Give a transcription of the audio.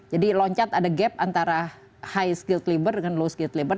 jadi loncat ada gap antara high skilled labor dengan low skilled labor